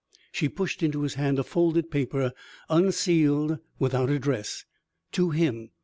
She pushed into his hand a folded paper, unsealed, without address. "To him!"